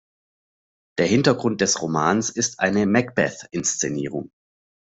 Der Hintergrund des Romans ist eine "Macbeth"-Inszenierung.